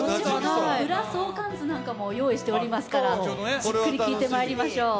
裏相関図なんてものも用意していますから聞いてまいりましょう。